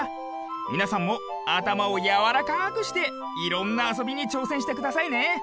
みなさんもあたまをやわらかくしていろんなあそびにちょうせんしてくださいね。